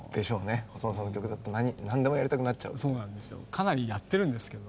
かなりやってるんですけど。